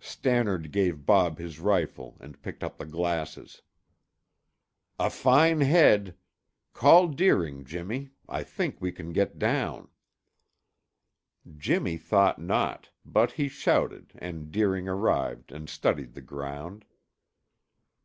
Stannard gave Bob his rifle and picked up the glasses. "A fine head! Call Deering, Jimmy. I think we can get down." Jimmy thought not, but he shouted and Deering arrived and studied the ground.